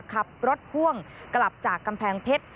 ขับรถพ่วงกลับจากกำแพงเพชร